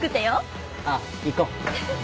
ああ行こう。